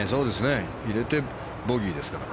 入れて、ボギーですから。